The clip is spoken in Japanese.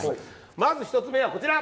まず１つ目はこちら！